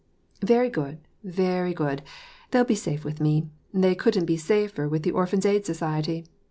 332 WAR AND PEACE, "Very good^ very good; they'll be safe with me. They couldn't be safer with the Orphans' Aid Society.